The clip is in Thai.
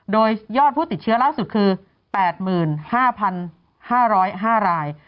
โดยยอดผู้ติดเชื้อล่าสุดคือ๘๕๕๐๕ราย